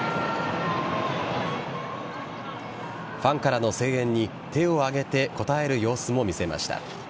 ファンからの声援に手を上げて応える様子も見せました。